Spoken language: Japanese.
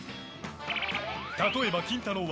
例えば、キンタロー。